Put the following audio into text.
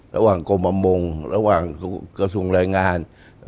ระหว่างกรมอำมงระหว่างกระทรวงแรงงาน